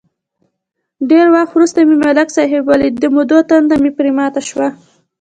ډېر وخت ورسته مې ملک صاحب ولید، د مودو تنده مې پرې ماته شوه.